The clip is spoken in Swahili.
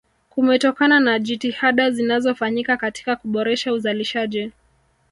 kumetokana na jitihada zinazofanyika katika kuboresha uzalishaji